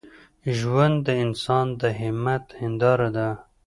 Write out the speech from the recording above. ژوند د انسان د همت هنداره ده.